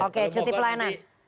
oke cuti pelayanan